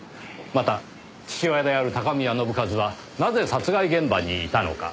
また父親である高宮信一はなぜ殺害現場にいたのか。